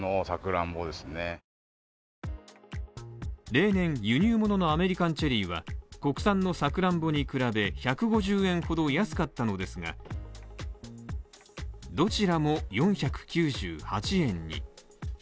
例年輸入物のアメリカンチェリーは、国産のさくらんぼに比べ１５０円ほど安かったのですが、どちらも４９８円に。